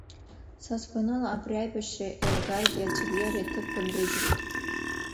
Са сгәаныла, абри аибашьра еилгаргьы, аӡәырҩы ари аҭыԥқәа нрыжьуеит.